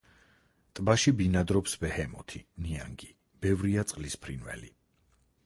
ტბაში ბინადრობს ბეჰემოთი, ნიანგი, ბევრია წყლის ფრინველი.